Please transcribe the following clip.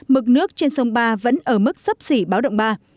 mực nước trên sông ba vẫn ở mức sấp xỉ báo động ba